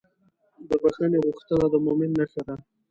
د بښنې غوښتنه د مؤمن نښه ده.